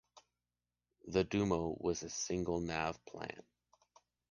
The Duomo has a single-nave plan.